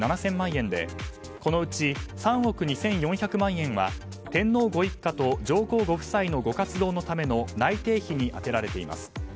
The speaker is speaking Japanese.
円でこのうち３億２４００万円は天皇ご一家と上皇ご夫妻のご活動のための内廷費に充てられています。